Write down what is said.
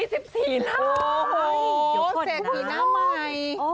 โอ้โหเสร็จอีกหน้าใหม่